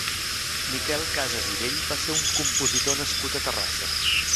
Miquel Casas i Bell va ser un compositor nascut a Terrassa.